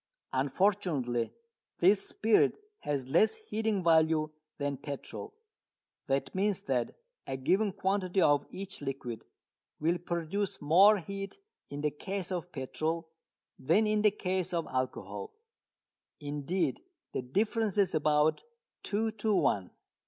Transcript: Unfortunately this spirit has less heating value than petrol. That means that a given quantity of each liquid will produce more heat in the case of petrol than in the case of alcohol. Indeed the difference is about two to one.